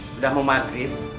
bu sudah mau maghrib